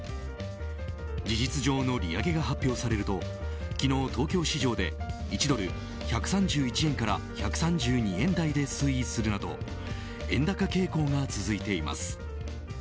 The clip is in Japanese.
事実上の利上げが発表されると昨日、東京市場で１ドル＝１３１円から１３２円台で推移するなど円高傾向が続いています。